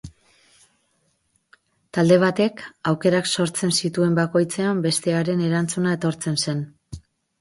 Talde batek aukerak sortzen zituen bakoitzean bestearen erantzuna etortzen zen.